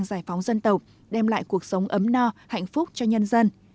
giải phóng dân tộc đem lại cuộc sống ấm no hạnh phúc cho nhân dân